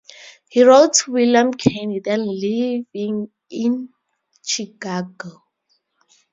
He wrote to William Chaney, then living in Chicago.